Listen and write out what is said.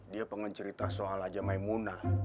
dia pengen cerita soal aja maimunah